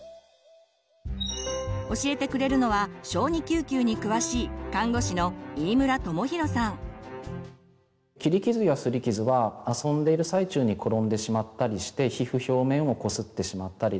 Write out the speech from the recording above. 教えてくれるのは小児救急に詳しい切り傷やすり傷は遊んでいる最中に転んでしまったりして皮膚表面を擦ってしまったり。